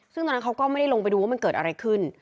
ซึ่งตอนนั้นเขาก็ไม่ได้ลงไปดูว่ามันเกิดอะไรขึ้น